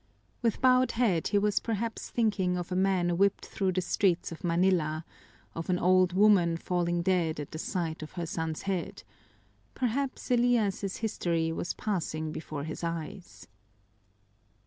With bowed head, he was perhaps thinking of a man whipped through the streets of Manila, of an old woman falling dead at the sight of her son's head; perhaps Elias's history was passing before his eyes.